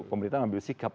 pemerintah mengambil sikap